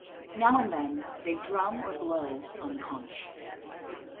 Now and then they drum or blow on the conch.